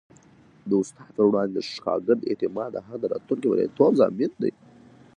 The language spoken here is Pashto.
د استاد پر وړاندې د شاګرد اعتماد د هغه د راتلونکي بریالیتوب ضامن دی.